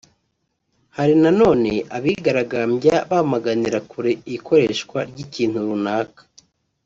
Hari na none abigaragambya bamaganira kure ikoreshwa ry’ikintu runaka